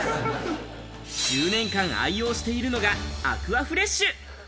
１０年間愛用しているのがアクアフレッシュ。